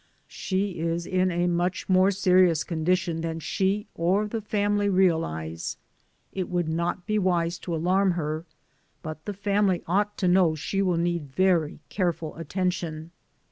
"She is in a much more serious condition than she or the family realize. It would not be wise to alarm her, but the family ought to know she will need very careful attention.